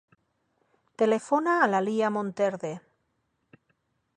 Telefona a la Lia Monterde.